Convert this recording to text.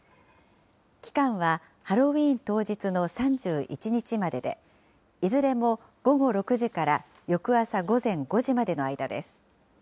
期間はハロウィーン当日の３１日までで、いずれも午後６時から翌朝午前５時までの間です。